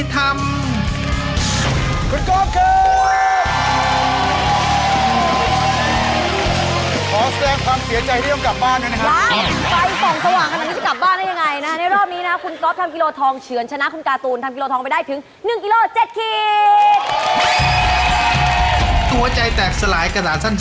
แต่ไม่รู้จะได้กล่องเป็นตอด้วยหรือเปล่านะ